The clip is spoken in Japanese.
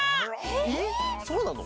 えっそうなの？